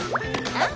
あっ！